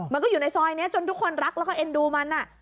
มันก็อยู่ในซอยนี้จนทุกคนรักแล้วก็เอ็นดูมัน